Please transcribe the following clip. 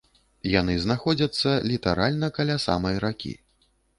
Яны знаходзяцца літаральна каля самай ракі.